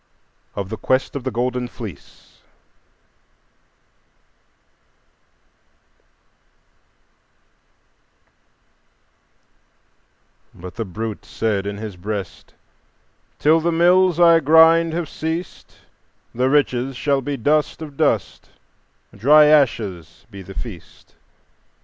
Of the Quest of the Golden Fleece But the Brute said in his breast, "Till the mills I grind have ceased, The riches shall be dust of dust, dry ashes be the feast!